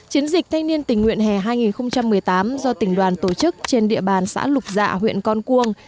chiến dịch thanh niên tình nguyện hè hai nghìn một mươi tám do tỉnh đoàn tổ chức trên địa bàn xã lục dạ huyện con cuông